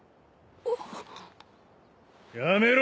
やめろ！